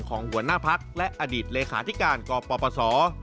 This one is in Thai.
หัวหน้าพักและอดีตเลขาธิการกปศ